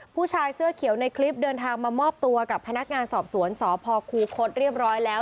ผู้ชายเสื้อเขียวในคลิปเดินทางมามอบตัวกับพนักงานสอบสวนสพคูคศเรียบร้อยแล้ว